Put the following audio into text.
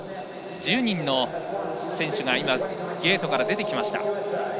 １０人の選手がゲートから出てきました。